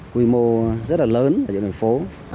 quy mô rất là lớn ở những nơi phố